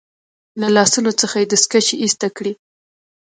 له لاسونو څخه يې دستکشې ایسته کړې.